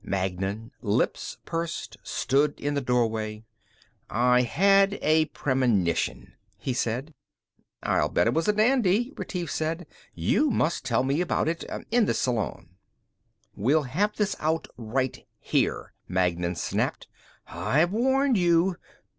Magnan, lips pursed, stood in the doorway. "I had a premonition," he said. "I'll bet it was a dandy," Retief said. "You must tell me all about it in the salon." "We'll have this out right here," Magnan snapped. "I've warned you!"